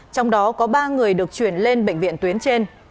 trong đó có ba người được chuyển lên bệnh viện tuyến trên